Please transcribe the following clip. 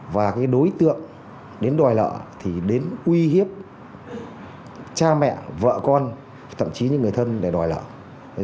và cái đối tượng đến đòi nợ thì đến uy hiếp cha mẹ vợ con thậm chí những người thân để đòi nợ